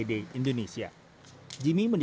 dan juga olimpiade